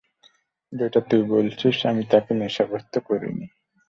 যেটা তুই বলছিস, আমি তাকে নেশাগ্রস্ত করিনি।